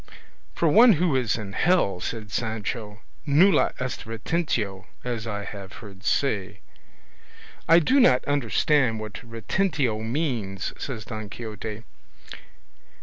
"For one who is in hell," said Sancho, "nulla est retentio, as I have heard say." "I do not understand what retentio means," said Don Quixote.